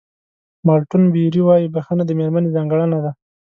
مالټون بېري وایي بښنه د مېرمنې ځانګړنه ده.